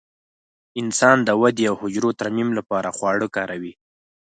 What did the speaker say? انسان د ودې او حجرو ترمیم لپاره خواړه کاروي.